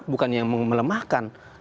bukan yang melemahkan